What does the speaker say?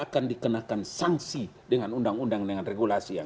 akan dikenakan sanksi dengan undang undang dengan regulasi yang